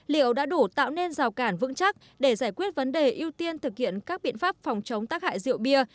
liệu đã đủ tạo nên rào cản vững chắc để giải quyết vấn đề ưu tiên thực hiện các biện pháp phòng chống tác hại rượu bia